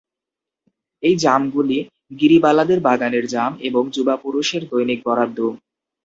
এই জামগুলি গিরিবালাদের বাগানের জাম এবং যুবাপুরুষের দৈনিক বরাদ্দ।